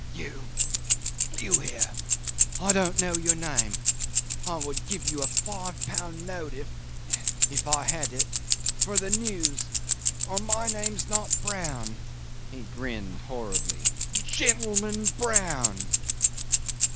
You ... you here ... I don't know your name I would give you a five pound note if if I had it for the news or my name's not Brown. ..." He grinned horribly. ... "Gentleman Brown."